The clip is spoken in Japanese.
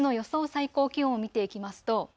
最高気温を見ていきますと